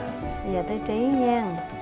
bây giờ tới trí nha